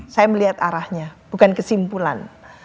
saya melihat arahnya bukan kesimpulan